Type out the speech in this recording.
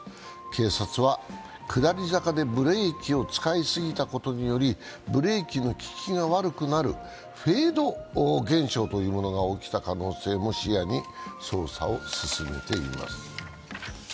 警察は下り坂でブレーキを使いすぎたことによりブレーキの利きが悪くなるフェード現象というものが起きた可能性も視野に捜査を進めています。